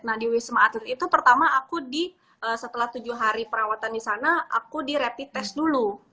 nah di wisma atlet itu pertama aku di setelah tujuh hari perawatan di sana aku di rapid test dulu